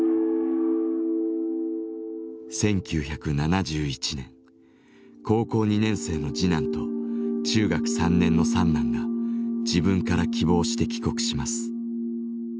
１９７１年高校２年生の次男と中学３年の三男が自分から希望して帰国します。